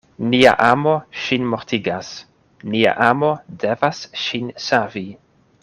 Nia amo ŝin mortigas: nia amo devas ŝin savi.